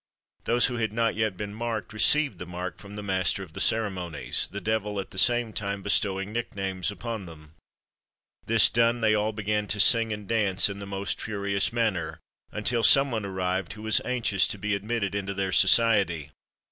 Those who had not yet been marked, received the mark from the master of the ceremonies, the devil at the same time bestowing nicknames upon them. This done, they all began to sing and dance in the most furious manner, until some one arrived who was anxious to be admitted into their society.